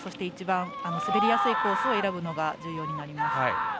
一番滑りやすいコースを選ぶのが重要になります。